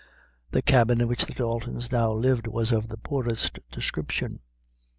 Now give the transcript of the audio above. The cabin in which the Daltons now lived was of the poorest description.